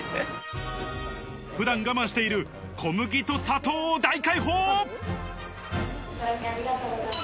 普段我慢している小麦と砂糖を大解放。